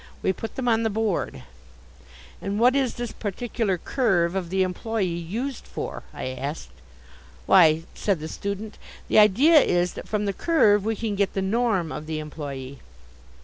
We put them on the board." "And what is this particular Curve of the employe used for?" I asked. "Why," said the student, "the idea is that from the Curve we can get the Norm of the employe."